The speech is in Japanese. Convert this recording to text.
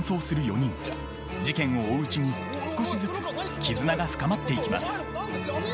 事件を追ううちに少しずつ絆が深まっていきます。